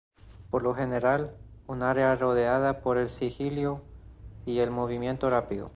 Por lo general, un área rodeada por el sigilo y el movimiento rápido.